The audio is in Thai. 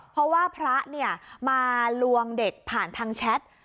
เพราะว่าพระมาลวงเด็กผ่านทางแชท